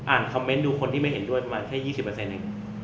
คอมเมนต์ดูคนที่ไม่เห็นด้วยประมาณแค่๒๐เอง